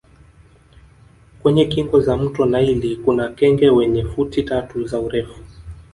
Kwenye kingo za mto naili kuna kenge wenye futi tatu za urefu